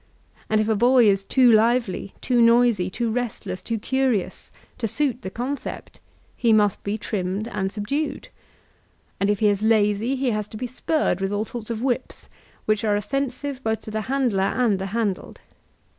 And if a boy is too lively, too noisy, too restless, too curious, to suit the concept, he must be trimmed and subdued. And if he is lazy, he has to be spurred with all sorts of whips, which are offensive both to the handler and the handled.